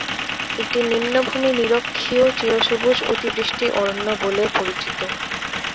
এটি "নিম্নভূমি নিরক্ষীয় চিরসবুজ অতিবৃষ্টি অরণ্য" বলেও পরিচিত।